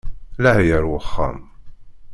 Laɛi ar wexxam!